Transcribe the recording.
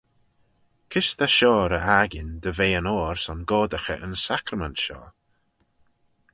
Kys ta shoh ry-akin dy ve yn oyr son goardaghey yn sacrament shoh?